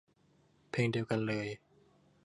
เพลงเดียวกันเลย